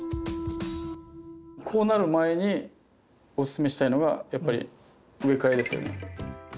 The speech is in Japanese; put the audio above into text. こうなる前におすすめしたいのがやっぱり植え替えですよね。